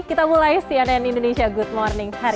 kita mulai cnn indonesia good morning hari